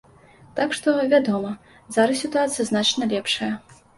Так што, вядома, зараз сітуацыя значна лепшая.